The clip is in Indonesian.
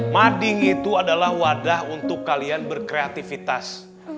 mading itu adalah wadah untuk kalian berkreativitas